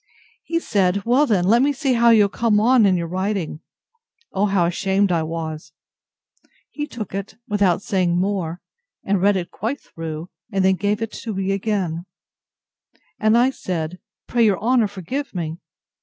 He said, Well then, let me see how you are come on in your writing! O how ashamed I was!—He took it, without saying more, and read it quite through, and then gave it me again;—and I said, Pray your honour forgive me!